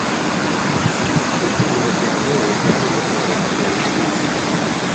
Gutunga umuryango we byari umutwaro ukomeye kuri we